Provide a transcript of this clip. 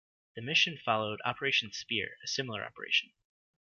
The mission followed Operation Spear, a similar operation.